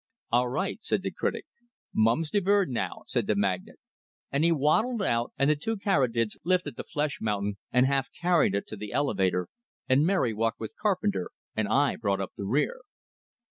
"All right," said the critic. "Mum's de vord now," said the magnate; and he waddled out, and the two caryatids lifted the flesh mountain, and half carried it to the elevator, and Mary walked with Carpenter, and I brought up the rear.